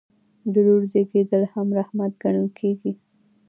د لور زیږیدل هم رحمت ګڼل کیږي.